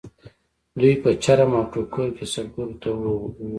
دوی به چرم او ټوکر کسبګرو ته ووړل.